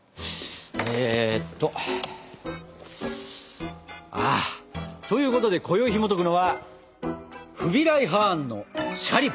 えっと。ということでこよいひもとくのは「フビライ・ハーンのシャリバ」。